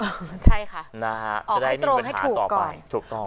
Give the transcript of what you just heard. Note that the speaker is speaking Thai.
ออกให้ตรงให้ถูกก่อน